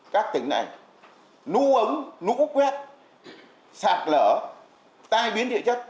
các tỉnh này nú ấm nú quét sạc lở tai biến địa chất